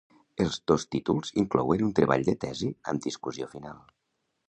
Els dos títols inclouen un treball de tesi amb discussió final.